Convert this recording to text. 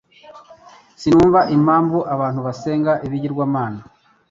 Sinumva impamvu abantu basenga ibigirwamana.